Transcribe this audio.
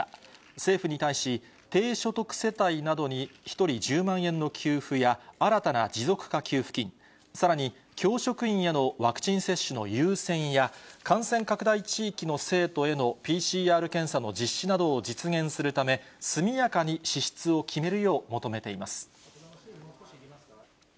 政府に対し、低所得世帯などに１人１０万円の給付や、新たな持続化給付金、さらに教職員へのワクチン接種の優先や、感染拡大地域の生徒へのＰＣＲ検査の実施などを実現するため、速やかに支出を決めるよう求めています。